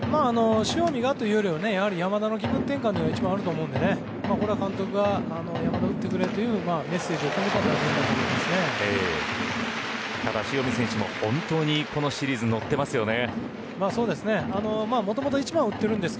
塩見がというよりは山田の気分転換が一番あると思うのでこれは監督が山田打ってくれというメッセージをただ塩見選手も本当にこのシリーズのってますよね。